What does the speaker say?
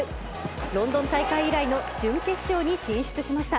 ロンドン大会以来の準決勝に進出しました。